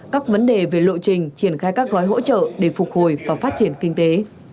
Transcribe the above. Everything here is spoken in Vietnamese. các vấn đề về lộ trình triển khai các gói hỗ trợ để phục hồi và phát triển kinh tế